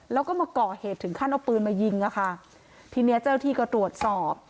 แล้วก็มาก่อเหตุถึงขั้นเอาปืนมายิงอ่ะค่ะทีเนี้ยเจ้าที่ก็ตรวจสอบ